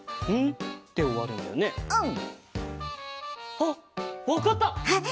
うん。あっわかった！